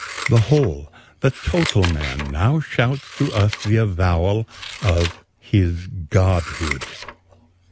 The whole, the total Man now shouts to us the avowal of his Godhood."